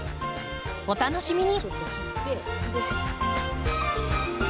お楽しみに！